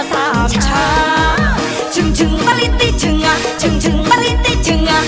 สาบชาชึ่งชึ่งตริติชึ่งอ่ะชึ่งชึ่งตริติชึ่งอ่ะ